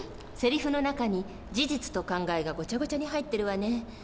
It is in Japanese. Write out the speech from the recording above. セリフの中に事実と考えがごちゃごちゃに入ってるわね。